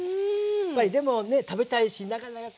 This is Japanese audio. やっぱりでもね食べたいしなかなかこうすぐには。